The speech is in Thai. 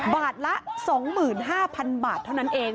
บาทละ๒๕๐๐๐บาทเท่านั้นเอง